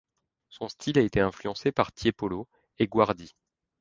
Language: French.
Son style a été influencée par Tiepolo et Guardi.